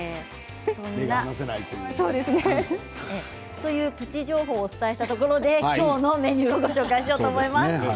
というプチ情報をお伝えしたところで今日のメニューをお伝えしようと思います。